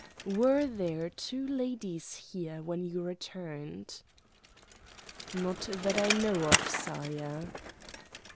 "Were there two ladies here when you returned?" "Not that I know of, sire."